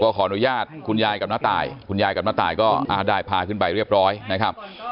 ขออนุญาตคุณยายกับน้าตายคุณยายกับน้าตายก็ได้พาขึ้นไปเรียบร้อยนะครับ